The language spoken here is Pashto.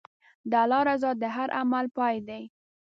د الله رضا د هر عمل پای دی.